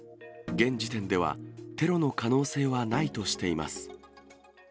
現時点では、テロの可能性はないとしています。